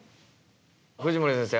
藤森先生